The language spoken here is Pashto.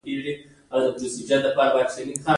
هغوی د خزان له یادونو سره راتلونکی جوړولو هیله لرله.